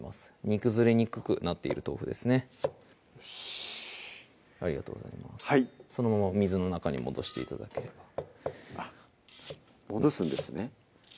煮崩れにくくなっている豆腐ですねよしありがとうございますそのまま水の中に戻して頂ければあっ戻すんですね